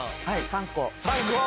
３個！